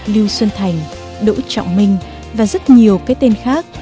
lưu xuân thành đỗ trọng minh và rất nhiều cái tên khác